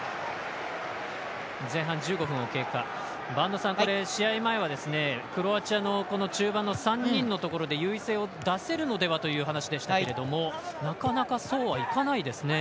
播戸さん、試合前はクロアチアの中盤の３人のところで優位性を出せるのではという話でしたけどなかなか、そうはいかないですね。